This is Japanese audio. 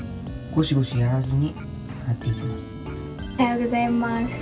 おはようございます。